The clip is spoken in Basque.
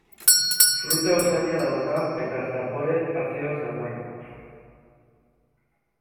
Fruta usaina dauka eta zapore azido samarra.